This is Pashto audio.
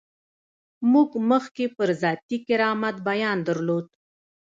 موږ مخکې پر ذاتي کرامت بیان درلود.